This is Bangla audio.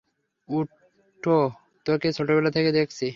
উঠ তোকে ছোটবেলা থেকে দেখছি।